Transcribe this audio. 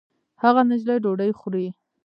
هغه نجلۍ ډوډۍ خوري